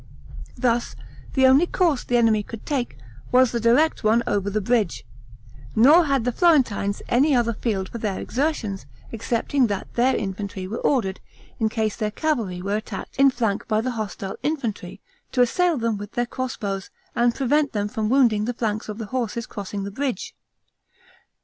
Thus, the only course the enemy could take, was the direct one over the bridge; nor had the Florentines any other field for their exertions, excepting that their infantry were ordered, in case their cavalry were attacked in flank by the hostile infantry, to assail them with their cross bows, and prevent them from wounding the flanks of the horses crossing the bridge.